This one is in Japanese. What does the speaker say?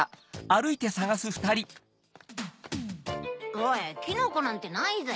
おいキノコなんてないぜ。